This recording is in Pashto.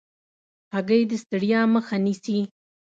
هګۍ د ستړیا مخه نیسي.